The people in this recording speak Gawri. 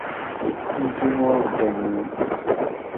اِیں جُمات ڈۤھنگیں